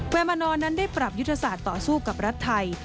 มานอนนั้นได้ปรับยุทธศาสตร์ต่อสู้กับรัฐไทย